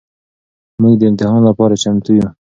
مونږ د امتحان لپاره چمتو يو.